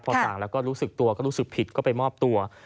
พอต่างแล้วก็รู้สึกตัวก็รู้สึกผิดก็ไปมอบตัว